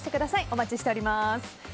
お待ちしております。